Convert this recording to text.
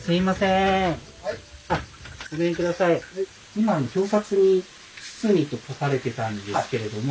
今表札に堤と書かれてたんですけれども。